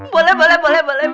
boleh boleh boleh